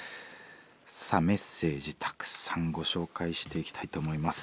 さあメッセージたくさんご紹介していきたいと思います。